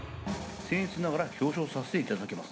僭越ながら表彰させていただきます。